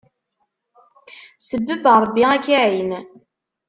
Sebbeb, Rebbi ad k-iεin.